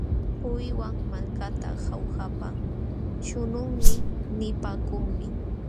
Puywan malkata Jaujapa śhunqunmi nipaakunmi.